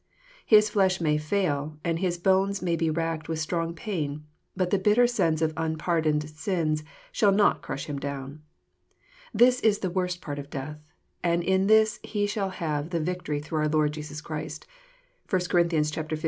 His fiesh may fail, and his bones may be racked with strong pain ; but the bitter sense of unpardoned sins shall not crush him down. This is the worst part of death, — and in this he shall have the " victory through our Lord Jesus Christ." (1 Cor. xv.